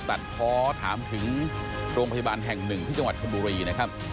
ตัดเพาะถามถึงโรงพยาบาลแห่งหนึ่งที่จังหวัดชนบุรีนะครับ